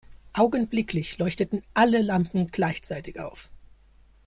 Augenblicklich leuchteten alle Lampen gleichzeitig auf.